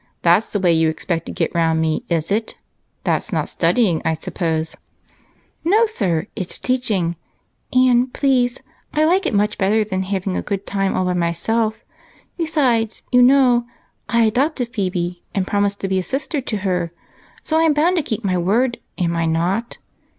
that 's the way you expect to get round me, is it ? That 's not studying, I suppose ?" "No, sir, it's teaching; and please, I like it much better than having a good time all by myself. Besides, you know, I adopted Phebe and promised to be a sister to her, so I am bound to keep my word, am I not